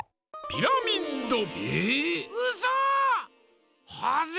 ピラミッド！